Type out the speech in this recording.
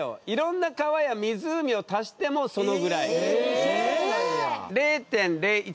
いろんな川や湖を足してもそのぐらい。